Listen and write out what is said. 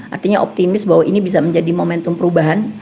artinya optimis bahwa ini bisa menjadi momentum perubahan